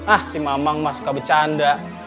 ah si mamang mah suka bercanda